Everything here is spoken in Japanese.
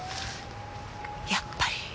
やっぱり。